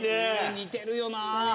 似てるよな。